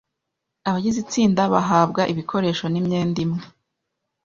Abagize itsinda bahabwa ibikoresho n imyenda imwe.